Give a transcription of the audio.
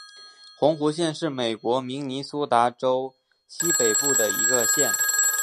红湖县是美国明尼苏达州西北部的一个县。